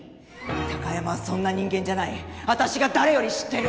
貴山はそんな人間じゃない私が誰より知ってる。